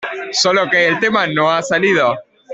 solo que el tema no ha salido.